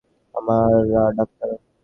আমরা ডাক্তার।